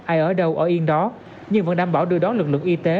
ai ở đâu ở yên đó nhưng vẫn đảm bảo đưa đón lực lượng y tế